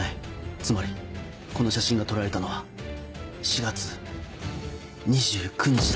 つまりこの写真が撮られたのは４月２９日だ。